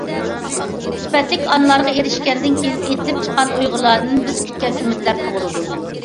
سۈپەتلىك ئانىلارغا ئېرىشكەندىن كېيىن ئېتىلىپ چىققان ئۇيغۇرلاردىن بىز كۈتكەن ئۈمىدلەر تۇغۇلىدۇ.